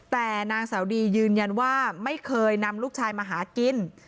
แต่นางสาวดียืนยันว่าไม่เคยนำลูกชายมาหากิน